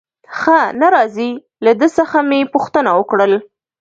ښه نه راځي، له ده څخه مې پوښتنه وکړل.